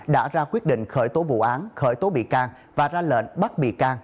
đã ra quyết định khởi tố vụ án khởi tố bị can và ra lệnh bắt bị can